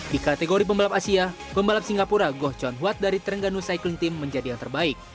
di kategori pembalap asia pembalap singapura goh chon huat dari trengganu cycling team menjadi yang terbaik